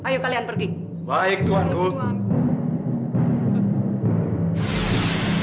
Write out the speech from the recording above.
sekarang kalian berdua sudah hadir disini